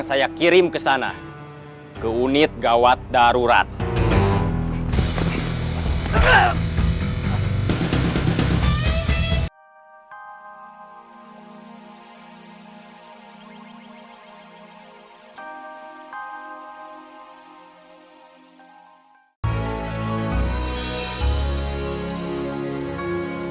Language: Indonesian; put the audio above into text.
sampai jumpa di video selanjutnya